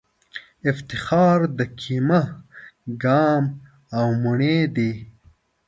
افتخار د کېمه ګام او د موڼی دی